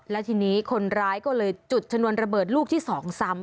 และทีนี้คนร้ายก็เลยจุดชนวนระเบิดลูกที่๒ซ้ำ